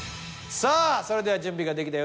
さあそれでは準備ができたようです。